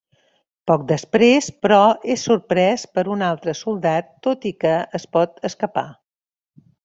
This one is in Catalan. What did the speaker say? Poc després, però, és sorprès per un altre soldat tot i que es pot escapar.